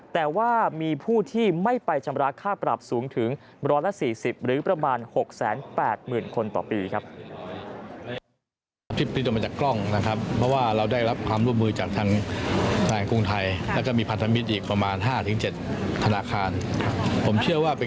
แต่ว่ามีผู้ที่ไม่ไปชำระค่าปรับสูงถึง๑๔๐หรือประมาณ๖๘๐๐๐คนต่อปีครับ